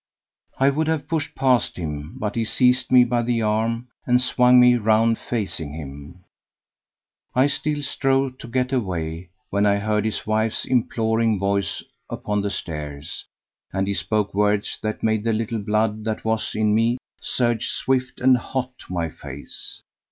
I would have pushed past him, but he seized me by the arm, and swung me round facing him. I still strove to get away, when I heard his wife's imploring voice upon the stairs; and he spoke words that made the little blood that was in me surge swift and hot to my face.